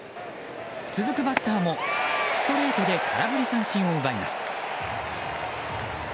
続くバッターもストレートで空振り三振を奪います。